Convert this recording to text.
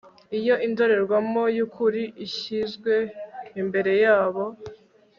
Iyo indorerwamo yukuri ishyizwe imbere yabo